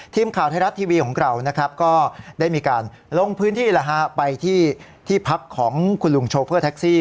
ทีมข่าวไทยรัฐทีวีของเรานะครับก็ได้มีการลงพื้นที่ไปที่พักของคุณลุงโชเฟอร์แท็กซี่